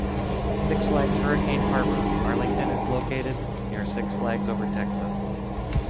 Six Flags Hurricane Harbor, Arlington is located near Six Flags Over Texas.